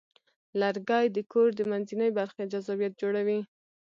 لرګی د کور د منځنۍ برخې جذابیت جوړوي.